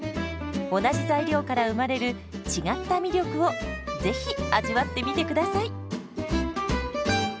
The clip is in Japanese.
同じ材料から生まれる違った魅力をぜひ味わってみてください。